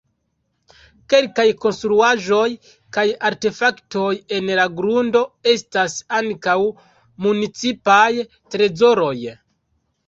Kelkaj konstruaĵoj kaj artefaktoj en la grundo estas ankaŭ municipaj trezoroj.